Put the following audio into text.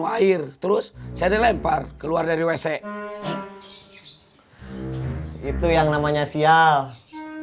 tapi forward pengguna dan pelayanan visiting ac medicines pp empat